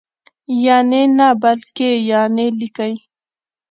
یعني نه بلکې یانې لیکئ!